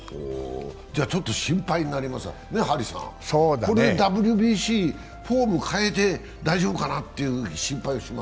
ちょっと心配になりますね、張さん、ＷＢＣ、フォーム変えて大丈夫かなという心配します。